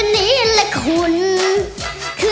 โมโฮโมโฮโมโฮ